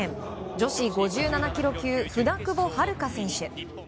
女子５７ｋｇ級舟久保遥香選手。